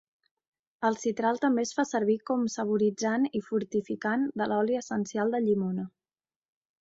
El citral també es fa servir com saboritzant i fortificant de l'oli essencial de llimona.